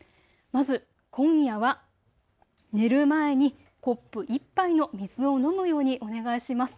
まず今夜は寝る前にコップ１杯の水を飲むようにお願いします。